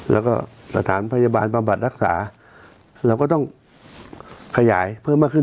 แล้วก็สถานพยาบาลบำบัดรักษาเราก็ต้องขยายเพิ่มมากขึ้น